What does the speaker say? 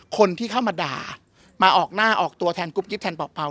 คนที่เข้ามาด่ามาออกหน้าออกตัวแทนกุ๊บกิ๊บแทนเป่า